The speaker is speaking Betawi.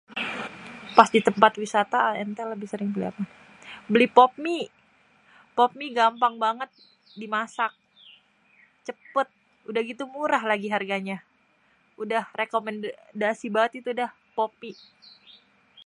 Pas di tempat wisata ente sering beli apa? Beli popmie! Popmie gampang banget dimasak, cepet, udah gitu murah lagi harganya. Udah rekomendasi banget dah popmie.